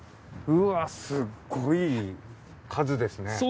うわすっごい数ですね。